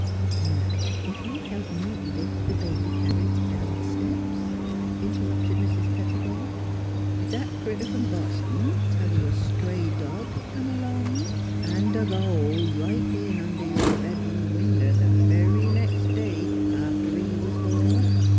"" Now if you'll help me lift the baby carriage i 4 8 NEIGHBORS down the steps," interrupted little Mrs. Petti bone. " Did that critter from Boston tell you a stray dog come along an' dug a hole right in under your bedroom winder th' very nex' day after he was born?